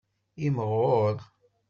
Imɣur.